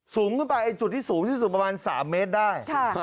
สูงขึ้นไปจุดที่สูงที่สุดประมาณ๓เมตรได้